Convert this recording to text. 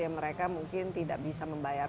mereka mungkin tidak bisa membayar